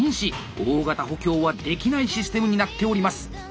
大型補強はできないシステムになっております。